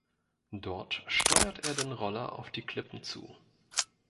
Dort steuert er den Roller auf die Klippen zu.